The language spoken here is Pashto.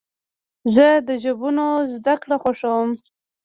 زه د ژبونو زدهکړه خوښوم.